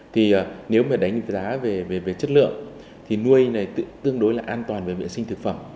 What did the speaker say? thì nếu mà đánh giá về chất lượng thì nuôi này tương đối là an toàn về vệ sinh thực phẩm